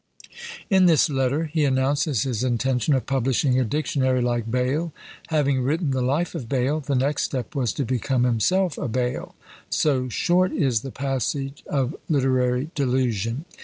In this letter he announces his intention of publishing a Dictionary like Bayle; having written the life of Bayle, the next step was to become himself a Bayle; so short is the passage of literary delusion!